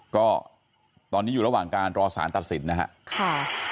ก็ตอนนี้อยู่ระหว่างการรอสารตัดสินนะครับ